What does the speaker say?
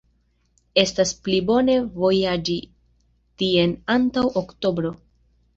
Estas pli bone vojaĝi tien antaŭ oktobro.